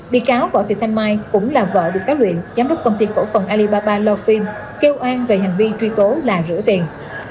bị cáo vợ thị thanh mai cũng là vợ bị cáo luyện giám đốc công ty cổ phần alibaba loafin kêu an về hành vi truy tố là rửa tiền